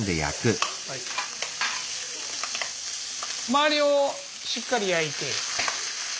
周りをしっかり焼いて。